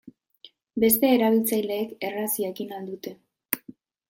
Beste erabiltzaileek erraz jakin ahal dute.